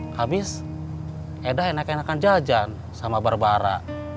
habis edah enakan enakan jajan sama barbara